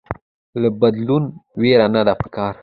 له بدلون ويره نده پکار